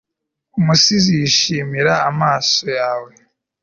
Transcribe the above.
umusizi, yishimira amaso yawe